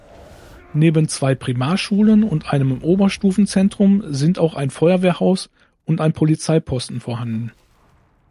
Neben zwei Primarschulen und einem Oberstufenzentrum sind auch ein Feuerwehrhaus und ein Polizeiposten vorhanden.